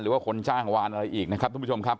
หรือว่าคนจ้างวานอะไรอีกนะครับทุกผู้ชมครับ